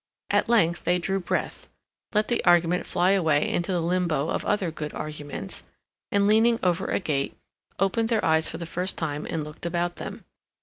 At length they drew breath, let the argument fly away into the limbo of other good arguments, and, leaning over a gate, opened their eyes for the first time and looked about them.